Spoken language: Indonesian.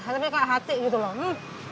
tapi kayak hati gitu loh